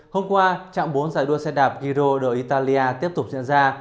hôm qua trạng bốn giải đua xe đạp giro d italia tiếp tục diễn ra